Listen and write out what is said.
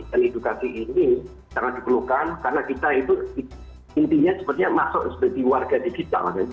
dan edukasi ini karena diperlukan karena kita itu intinya seperti yang masuk seperti warga digital